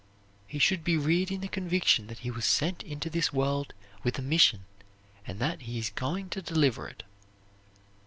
He should be reared in the conviction that he was sent into this world with a mission and that he is going to deliver it.